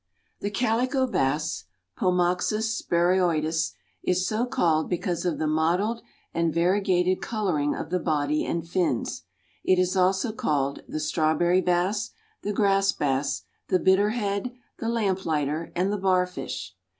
The Calico Bass (Pomoxys sparoides) is so called because of the mottled and variegated coloring of the body and fins. It is also called the Strawberry Bass, the Grass Bass, the Bitter Head, the Lamp lighter and the Barfish.